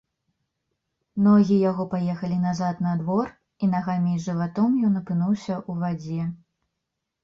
Ногі яго паехалі назад на двор, і нагамі і жыватом ён апынуўся ў вадзе.